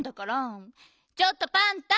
ちょっとパンタ！